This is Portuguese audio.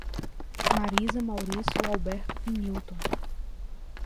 Marisa, Maurício, Alberto e Nilton